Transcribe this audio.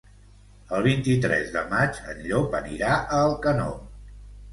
El vint-i-tres de maig en Llop anirà a Alcanó.